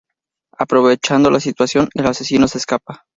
Aprovechando la situación, el asesino se escapa.